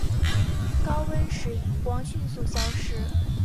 高温时荧光迅速消失。